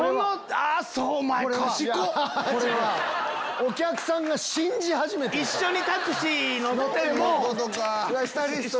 お客さんが信じ始めてるから！